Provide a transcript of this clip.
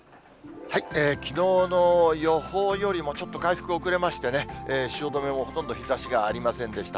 きのうの予報よりもちょっと回復遅れましてね、汐留もほとんど日ざしがありませんでした。